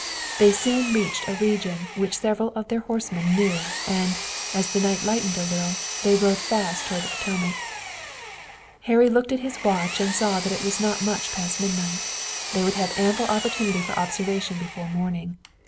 They soon reached a region which several of their horsemen knew, and, as the night lightened a little, they rode fast toward the Potomac. Harry looked at his watch and saw that it was not much past midnight. They would have ample opportunity for observation before morning.